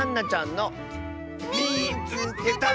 「みいつけた！」。